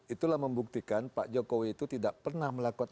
itulah membuktikan pak jokowi itu tidak pernah melakukan